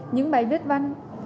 những bài viết văn